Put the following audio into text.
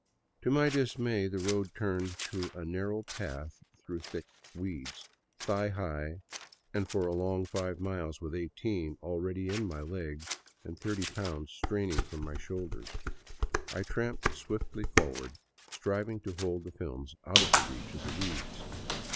To my dismay the road turned to a narrow path through thick weeds, thigh high, and for a long five miles, with eighteen already in my legs and thirty pounds straining from my shoulders, I tramped swiftly forward, striving to hold the films out of reach of the weeds.